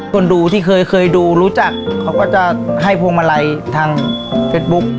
คนดูที่เคยดูรู้จักเขาก็จะให้พวงมาลัยทางเฟซบุ๊ก